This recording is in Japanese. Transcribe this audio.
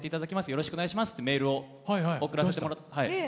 よろしくお願いしますってメールを今日送らせてもらったんですけど。